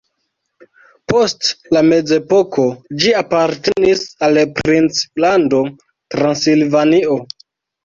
Post la mezepoko ĝi apartenis al princlando Transilvanio.